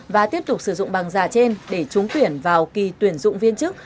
và tiếp tục sử dụng bằng giả trên để trúng tuyển vào kỳ tuyển dụng viên chức